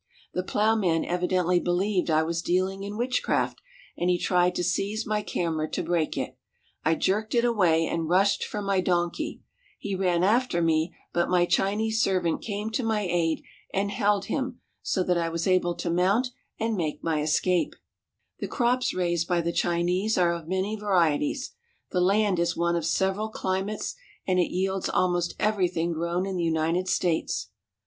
The plowman evidently believed I was dealing in witchcraft, and he tried to seize my camera to break it. I jerked it away and rushed for my donkey. He ran after me, but my Chinese servant came to my aid He was pushing hard upon the plow handles." i6o CHINESE FARMS AND FARMING and held him, so that I was able to mount and make my escape. The crops raised by the Chinese are of many varieties. The land is one of several climates, and it yields almost everything grown in the United States.